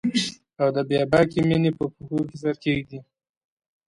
او د بې باکې میینې په پښو کې سر کښیږدي